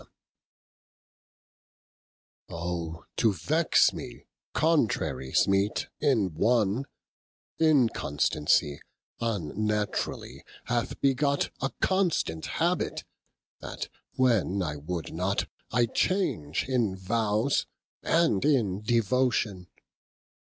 XIX Oh, to vex me, contraryes meet in one: Inconstancy unnaturally hath begott A constant habit; that when I would not I change in vowes, and in devotione.